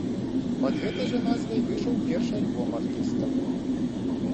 Пад гэтай жа назвай выйшаў першы альбом артыста.